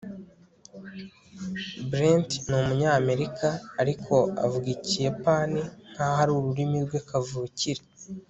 brent ni umunyamerika, ariko avuga ikiyapani nkaho ari ururimi rwe kavukire